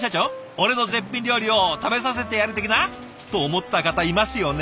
俺の絶品料理を食べさせてやる的な？と思った方いますよね？